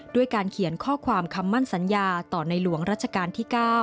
ด้วยการเขียนข้อความคำมั่นสัญญาต่อในหลวงรัชกาลที่๙